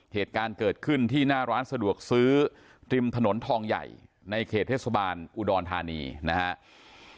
เหตุการณ์เกิดขึ้นที่หน้าร้านสะดวกซื้อริมถนนทองใหญ่ในเขตเทศบาลอุดรธานีนะครับ